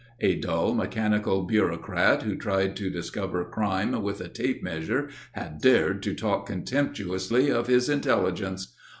A dull, mechanical bureaucrat who tried to discover crime with a tape measure had dared to talk contemptuously of his intelligence!